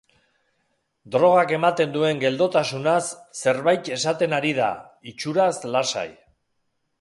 Drogak ematen duen geldotasunaz, zerbait esaten ari da, itxuraz lasai.